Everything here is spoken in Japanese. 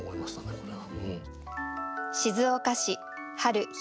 これは。